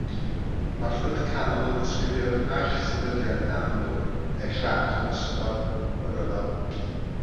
Mae'r Ffrynt Canol yn disgrifio'r naill sefydliad amlwg neu'r llall yn ystod y rhyfel.